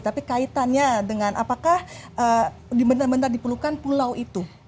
tapi kaitannya dengan apakah benar benar diperlukan pulau itu